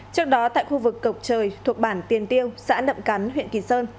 trước đó tại khu vực cộc trời thuộc bản tiền tiêu xã nậm cắn huyện kỳ sơn